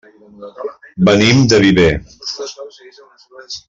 Venim de Viver.